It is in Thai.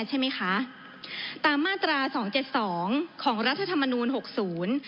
ใช่ไหมคะตามมาตราสองเจ็ดสองของรัฐธรรมนูลหกศูนย์